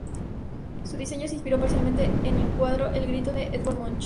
Su diseño se inspiró parcialmente en el cuadro "El grito" de Edvard Munch.